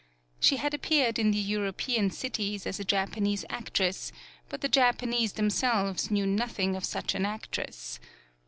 She had appeared in the European cities as a Japanese actress, but the Japanese themselves knew nothing of such an actress.